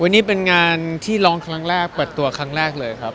วันนี้เป็นงานที่ร้องครั้งแรกเปิดตัวครั้งแรกเลยครับ